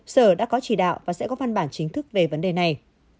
sở đã có chỉ đạo và sẽ có văn bản chính thức về vấn đề này